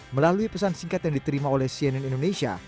melalui pesan singkat yang diterima oleh cnn indonesia